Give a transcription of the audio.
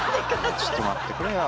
ちょっと待ってくれよ